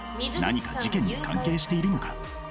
何か事件に関係しているのか？